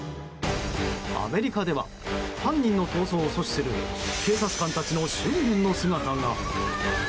アメリカでは犯人の逃走を阻止する警察官たちの執念の姿が。